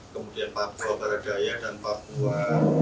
kemudian papua baradaya dan papua